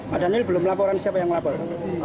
pak daniel belum laporan siapa yang melapor